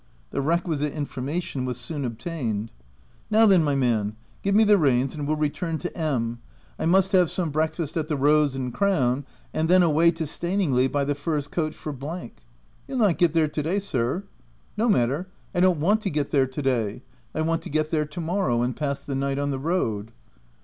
The requisite information was soon ob tained. u Now then, my man, give me the reins, and we'll return to M —. I must have some OP WILDFELL HALL. 301 breakfast at the Rose and Crown, and then away to Staningley by the first coach for *#" (C You'll not get there to day, sir. " No matter, I don't want to get there to day ; I want to get there to morrow, and pass the night on the road."